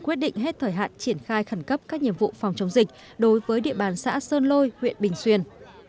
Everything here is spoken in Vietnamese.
quyết định hết thời hạn triển khai khẩn cấp các nhiệm vụ phòng chống dịch đối với địa bàn xã sơn lôi huyện bình xuyên